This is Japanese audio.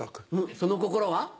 その心は？